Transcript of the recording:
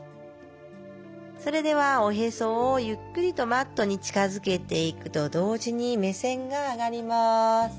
それではおへそをゆっくりとマットに近づけていくと同時に目線が上がります。